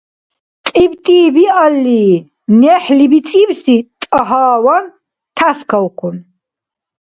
КьибтӀи биалли, нехӀли бицӀибси тӀагьаван тяскавхъун.